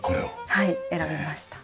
はい選びました。